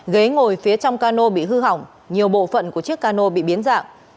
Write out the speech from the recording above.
ghế ngồi phía trong cano bị hư hỏng nhiều bộ phận của chiếc cano bị biến dạng